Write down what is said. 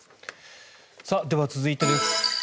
では、続いてです。